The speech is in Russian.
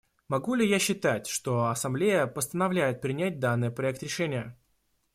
Могу ли я считать, что Ассамблея постановляет принять данный проект решения?